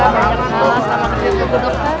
mereka salah sama kerja bu dokter